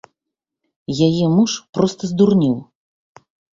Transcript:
Яе муж проста здурнеў.